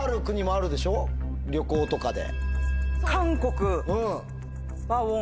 旅行とかで。